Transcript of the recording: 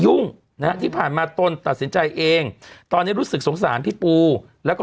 นะฮะที่ผ่านมาตนตัดสินใจเองตอนนี้รู้สึกสงสารพี่ปูแล้วก็